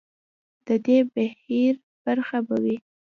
د دې بهیر برخه به وي.